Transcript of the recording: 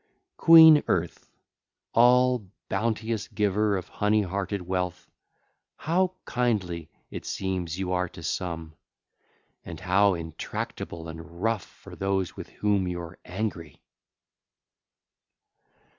1 3) Queen Earth, all bounteous giver of honey hearted wealth, how kindly, it seems, you are to some, and how intractable and rough for those with whom you are angry.